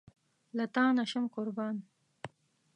له تانه شم قربان